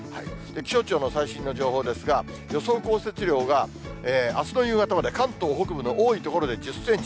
気象庁の最新の情報ですが、予想降雪量があすの夕方まで、関東北部の多い所で１０センチ。